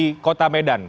di kota medan